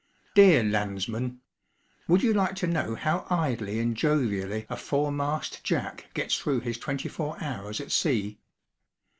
Dear landsmen! would you like to know how idly and jovially a foremast Jack gets through his twenty four hours at sea?